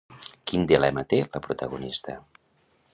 Quin dilema té la protagonista?